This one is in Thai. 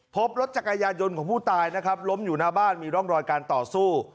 พบรถจักรยานยนต์ของผู้ตายนะครับล้มอยู่หน้าบ้านมีร่องรอยการต่อสู้